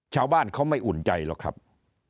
ชาวบ้านเขาไม่อุ่นใจหรอกครับ